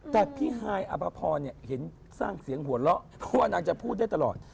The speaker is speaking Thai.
แต่พี่ฮายอภพรเห็นสร้างเสียงหัวเราะเพราะว่านางจะพูดได้ตลอด